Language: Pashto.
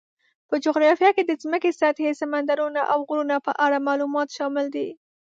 په جغرافیه کې د ځمکې سطحې، سمندرونو، او غرونو په اړه معلومات شامل دي.